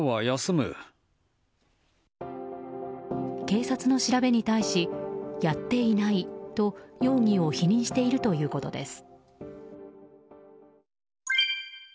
警察の調べに対しやっていないと容疑を否認しているということです。